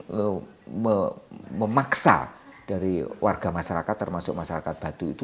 kemudian memaksa dari warga masyarakat termasuk masyarakat batu itu